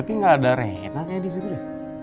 tapi gak ada reina kayak di situ ya